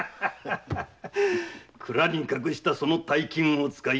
蔵に隠した大金を使い